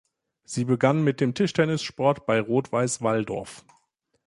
Sie begann mit dem Tischtennissport bei Rot-Weiß Walldorf.